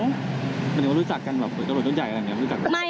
หมายถึงว่ารู้จักกันตำรวจต้นใหญ่อะไรแบบนี้รู้จักไหม